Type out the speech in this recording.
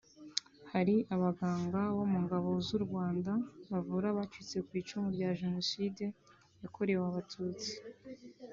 Hari abaganga bo mu Ngabo z’u Rwanda bavura abacitse ku icumu rya Jenoside yakorewe Abatutsi